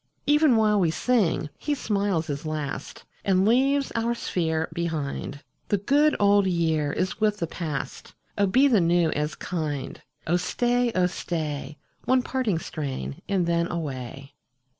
37 Even while we sing he smiles his last And leaves our sphere behind. The good old year is with the past ; Oh be the new as kind ! Oh staj, oh stay, One parting strain, and then away.